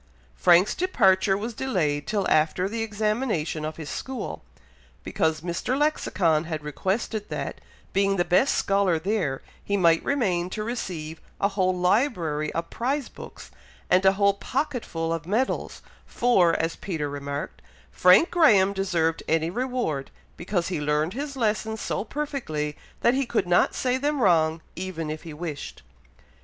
Frank's departure was delayed till after the examination of his school, because Mr. Lexicon had requested that, being the best scholar there, he might remain to receive a whole library of prize books, and a whole pocketful of medals; for, as Peter remarked, "Frank Graham deserved any reward, because he learned his lessons so perfectly, that he could not say them wrong even if he wished!"